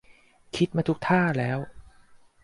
คิดมาทุกท่าแล้ว